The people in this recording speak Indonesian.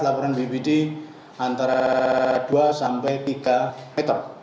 laporan bpd antara dua sampai tiga meter